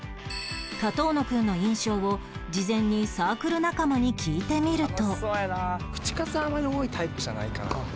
上遠野くんの印象を事前にサークル仲間に聞いてみると